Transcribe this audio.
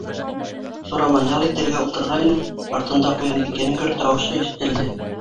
Сураман ял итергә ултырғайны, артында Ҡуянбикәнең көр тауышы ишетелде.